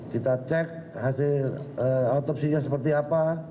kita cek hasil otopsinya seperti apa